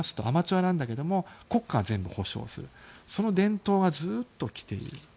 アマチュアなんだけど国家が全部保証するその伝統がずっと来ている。